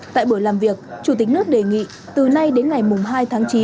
tại buổi làm việc chủ tịch nước đề nghị từ nay đến ngày hai tháng chín